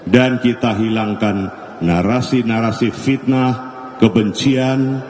dan kita hilangkan narasi narasi fitnah kebencian